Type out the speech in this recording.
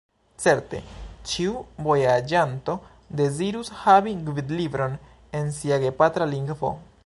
Certe, ĉiu vojaĝanto dezirus havi gvidlibron en sia gepatra lingvo.